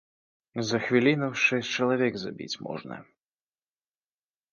За хвіліну шэсць чалавек забіць можна.